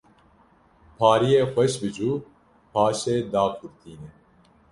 pariyê xweş bicû paşê daqurtîne